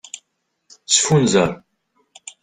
Sfunzer.